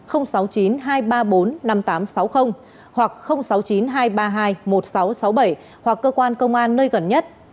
hoặc sáu mươi chín hai trăm ba mươi hai một nghìn sáu trăm sáu mươi bảy hoặc cơ quan công an nơi gần nhất